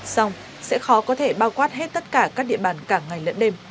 xong sẽ khó có thể bao quát hết tất cả các địa bàn cả ngày lẫn đêm